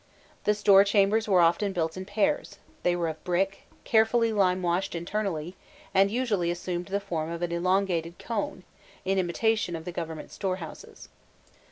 The store chambers were often built in pairs; they were of brick, carefully limewashed internally, and usually assumed the form of an elongated cone, in imitation of the Government storehouses.